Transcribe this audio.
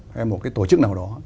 hay một cái tổ chức nào đó